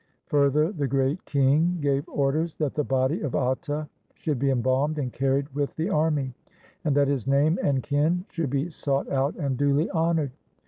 Further, the Great King gave orders that the body of Atta should be embalmed and carried with the army, and that his name and kin should be sought out and duly honored.